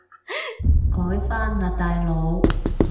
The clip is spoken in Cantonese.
改返喇大佬